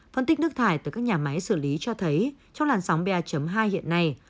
phân tích nước thải từ các nhà máy xử lý cho thấy trong làn sóng ba hai hiện nay